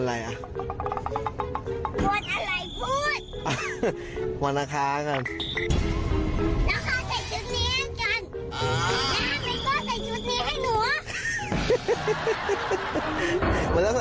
สบัดข่าวเด็ก